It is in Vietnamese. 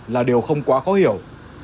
là điều không quá khó hiểu